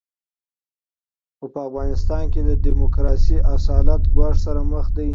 خو په افغانستان کې د ډیموکراسۍ اصالت ګواښ سره مخ دی.